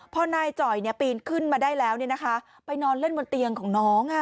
พ่อนายจ่อยเนี้ยปีนขึ้นมาได้แล้วเนี้ยนะคะไปนอนเล่นบนเตียงของน้องอ่ะ